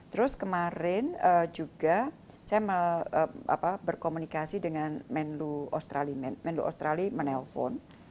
terus kemarin juga saya berkomunikasi dengan menlu australia menelpon